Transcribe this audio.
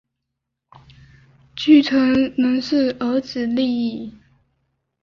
继承人是儿子利意。